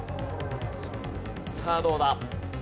さあどうだ？